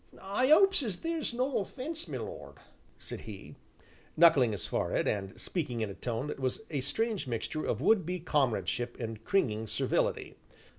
"I 'opes as theer's no offence, my lord," said he, knuckling his forehead, and speaking in a tone that was a strange mixture of would be comradeship and cringing servility.